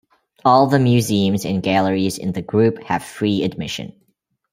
All the museums and galleries in the group have free admission.